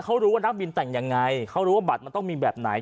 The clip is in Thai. เขารู้ว่านักบินแต่งยังไงเขารู้ว่าบัตรมันต้องมีแบบไหน